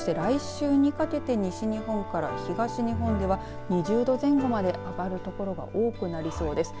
そして来週にかけて西日本から東日本では２０度前後まで上がる所が多くなりそうです。